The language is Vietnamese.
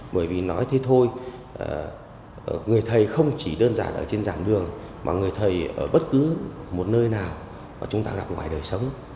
bởi vì nói thế thôi người thầy không chỉ đơn giản ở trên dạng đường mà người thầy ở bất cứ một nơi nào mà chúng ta gặp ngoài đời sống